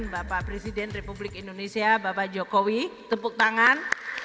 bapak presiden republik indonesia bapak jokowi tepuk tangan